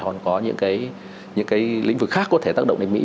còn có những cái lĩnh vực khác có thể tác động đến mỹ